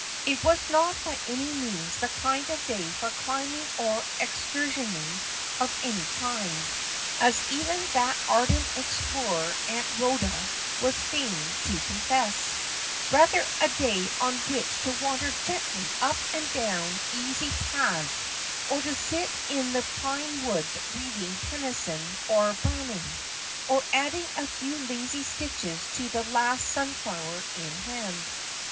It was not by any means the kind of day for climbing or excursionising of any kind, as even that ardent explorer Aunt Ehoda was fain to confess ; rather a day on which to wander gently up and down easy paths, or to sit in the pine woods reading Tennyson or Brown ing, or adding a few lazy stitches to the last sunflower in hand.